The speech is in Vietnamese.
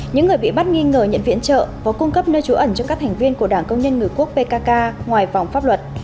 những người bị bắt nghi ngờ nhận viện trợ và cung cấp nơi trú ẩn cho các thành viên của đảng công nhân người quốc pkk ngoài vòng pháp luật